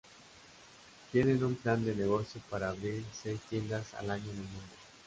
Tienen un plan de negocio para abrir seis tiendas al año en el mundo.